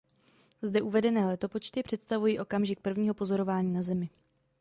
Zde uvedené letopočty představují okamžik prvního pozorování na Zemi.